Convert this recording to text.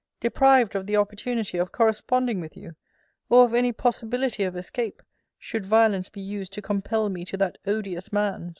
Deprived of the opportunity of corresponding with you! or of any possibility of escape, should violence be used to compel me to be that odious man's!